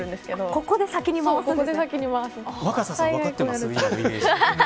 ここで先に回す。